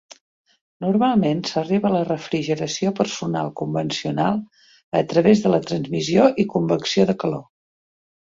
Normalment s'arriba a la refrigeració personal convencional a través de la transmissió i convecció de calor.